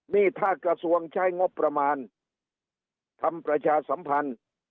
นี่ถ้ากระทรวงใช้งบประมาณทำประชาสัมพันธ์